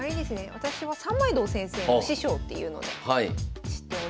私は三枚堂先生の師匠っていうので知っております。